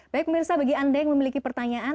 baik pemirsa bagi anda yang memiliki pertanyaan